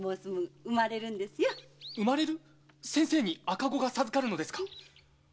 産まれる⁉先生に赤子が授かるのですか？